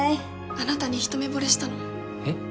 あなたに一目ぼれしたのえ？